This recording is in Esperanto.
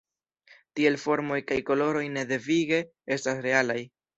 Tiel formoj kaj koloroj ne devige estas realaj.